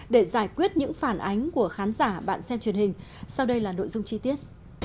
để giải quyết những phản ánh của khán giả bạn xem truyền hình sau đây là nội dung chi tiết